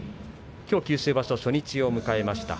きょう、九州場所初日を迎えました。